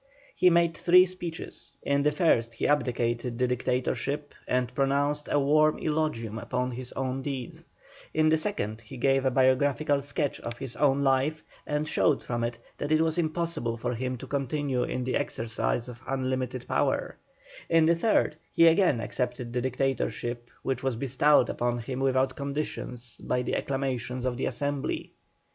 He made three speeches; in the first he abdicated the Dictatorship, and pronounced a warm eulogium upon his own deeds; in the second, he gave a biographical sketch of his own life, and showed from it that it was impossible for him to continue in the exercise of unlimited power; in the third, he again accepted the Dictatorship, which was bestowed upon him without conditions by the acclamations of the Assembly.